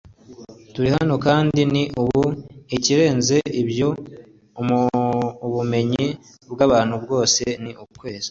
turi hano kandi ni ubu. ikirenze ibyo, ubumenyi bw'abantu bwose ni ukwezi